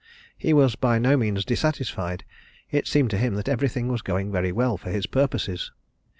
He was by no means dissatisfied, it seemed to him that everything was going very well for his purposes.